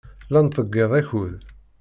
La nettḍeyyiɛ akud.